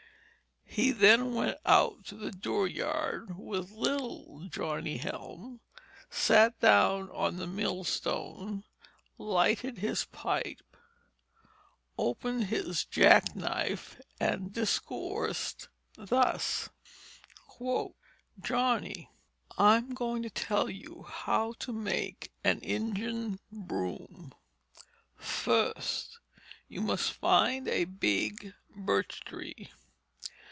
He then went out to the dooryard with little Johnny Helme, sat down on the millstone, lighted his pipe, opened his jack knife, and discoursed thus: "Johnny, I'm going to tell you how to make an Injun broom. Fust, you must find a big birch tree.